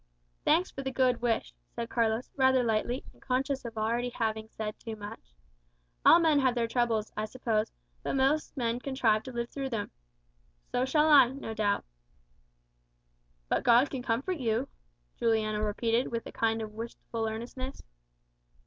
"Thanks for the good wish," said Carlos, rather lightly, and conscious of having already said too much. "All men have their troubles, I suppose, but most men contrive to live through them. So shall I, no doubt." "But God can comfort you," Juliano repeated with a kind of wistful earnestness.